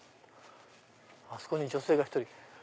あそこに女性が１人。